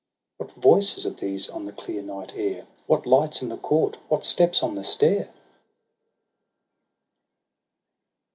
What voices are these on the clear night air.? What lights in the court — what steps on the stair?